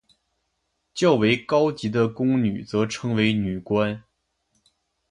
较为高级的宫女则称为女官。